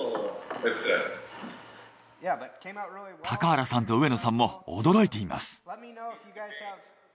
高原さんと上野さんも驚いています。